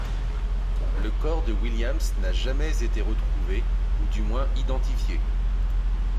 Le corps de Williams, n'a jamais été retrouvé, ou du moins identifié.